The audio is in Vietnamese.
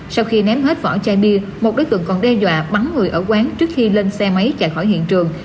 sau khi ném hết vỏ chai bia một đối tượng còn đe dọa bắn người ở quán trước khi lên xe máy chạy khỏi hiện trường